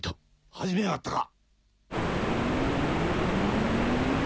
始めやがったか！